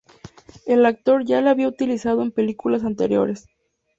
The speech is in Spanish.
El actor ya la había utilizado en películas anteriores.